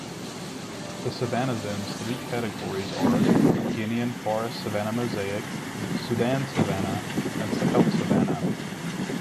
The savannah zone's three categories are Guinean forest-savanna mosaic, Sudan savannah, and Sahel savannah.